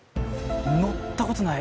乗ったことない。